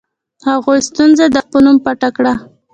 هغوی ستونزه د وخت په نوم پټه کړه.